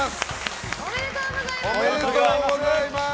おめでとうございます。